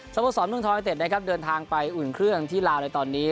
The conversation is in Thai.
โมสรเมืองทอยเต็ดนะครับเดินทางไปอุ่นเครื่องที่ลาวในตอนนี้